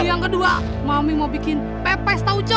yang kedua mami mau bikin pepes tauco